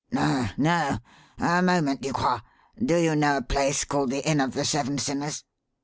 "No, no. A moment, Ducroix. Do you know a place called the Inn of the Seven Sinners?"